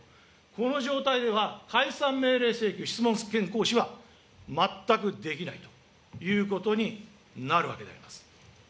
この状態では、解散命令請求、質問権行使は全くできないということになるわけであります。